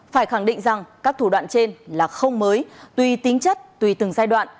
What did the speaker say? phải khẳng định rằng các thủ đoạn trên là không mới tùy tính chất tùy từng giai đoạn